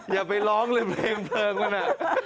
อย่าไปร้องลืมเพลงมันน่ะ